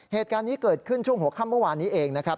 เหตุการณ์นี้เกิดขึ้นช่วงหัวค่ำเมื่อวานนี้เองนะครับ